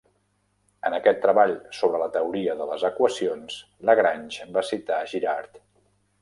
En aquest treball sobre la teoria de les equacions, Lagrange va citar Girard.